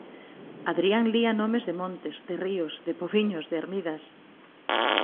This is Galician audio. Adrián lía nomes de montes, de ríos, de pobiños, de ermidas.